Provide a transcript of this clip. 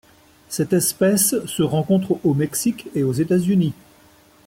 Cette espèce se rencontre au Mexique et aux États-Unis.